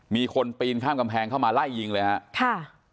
มีคนปีนข้ามกำแพงเข้ามาไล่ยิงเลยครับ